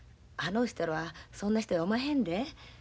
あの人らはそんな人やおまへんで。